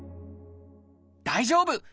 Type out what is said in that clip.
大丈夫！